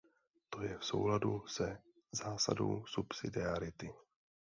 To je v souladu se zásadou subsidiarity.